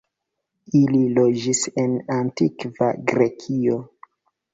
Ili loĝis en Antikva Grekio.